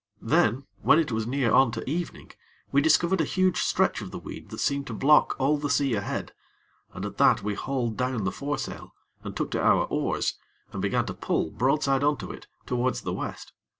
Then, when it was near on to evening, we discovered a huge stretch of the weed that seemed to block all the sea ahead, and, at that, we hauled down the foresail, and took to our oars, and began to pull, broadside on to it, towards the West.